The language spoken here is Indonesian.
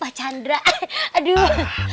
pak chandra aduh